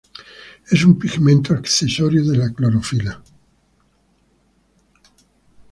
Es un pigmento accesorio de la clorofila.